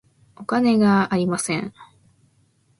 お金があります。